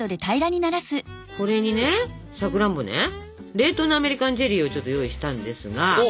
冷凍のアメリカンチェリーを用意したんですが